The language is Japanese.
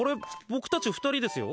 僕たち２人ですよ？